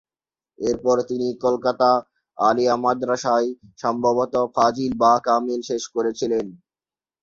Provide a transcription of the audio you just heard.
এরপর তিনি কলকাতা আলিয়া মাদরাসায় সম্ভবত ফাজিল বা কামিল শেষ করেছিলেন।